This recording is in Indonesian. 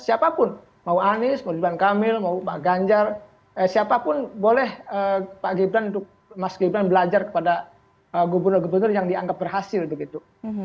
siapapun mau anies mau ridwan kamil mau pak ganjar siapapun boleh pak gibran mas gibran belajar kepada gubernur gubernur yang dianggap berhasil begitu